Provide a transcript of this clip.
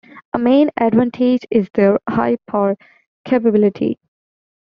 A main advantage is their high-power capability.